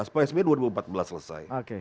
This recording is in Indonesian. pak sby dua ribu empat belas selesai